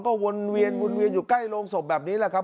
ก็วนเวียนวนเวียนอยู่ใกล้โรงศพแบบนี้แหละครับ